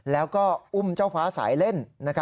แล้วก็อุ้มเจ้าฟ้าสายเล่น